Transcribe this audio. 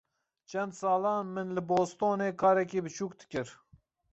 Çend salan min li Bostonê karekî biçûk dikir.